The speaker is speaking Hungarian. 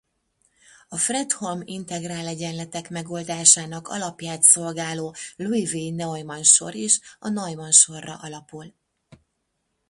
A Fredholm-integrálegyenletek megoldásának alapját szolgáló Liouville-Neumann-sor is a Neumann-sorra alapul.